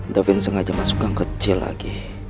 davin sengaja masuk gang kecil lagi